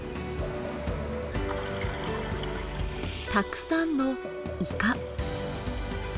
たくさんのイカ。